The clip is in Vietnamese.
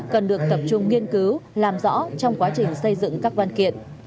cần được tập trung nghiên cứu làm rõ trong quá trình xây dựng các văn kiện